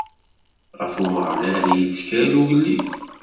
Ɣef Umeɣlal i yettkel ugellid.